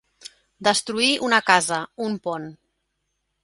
Destruir una casa, un pont.